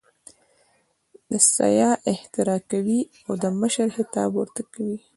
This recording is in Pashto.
د سیاح احترام کوي او د مشر خطاب ورته کوي.